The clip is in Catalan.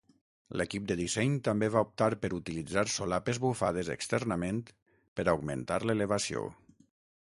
L'equip de disseny també va optar per utilitzar solapes bufades externament per augmentar l'elevació.